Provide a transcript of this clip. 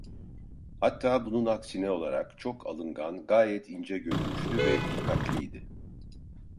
Hatta bunun aksine olarak çok alıngan, gayet ince görünüşlü ve dikkatliydi.